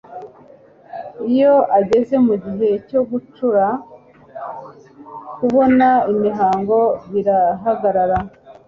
iyo ageze mu gihe cyo gucura, kubona imihango birahagarara